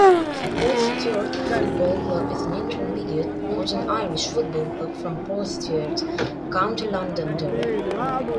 Portstewart Football Club is an intermediate, Northern Irish football club from Portstewart, County Londonderry.